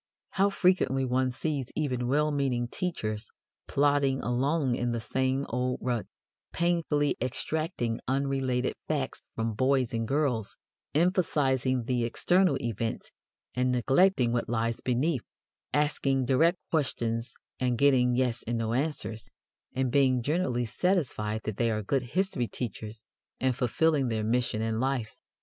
How frequently one sees even well meaning teachers plodding along in the same old rut, painfully extracting unrelated facts from boys and girls, emphasizing the external events and neglecting what lies beneath, asking direct questions and getting "yes" and "no" answers, and being generally satisfied that they are good history teachers and fulfilling their mission in life.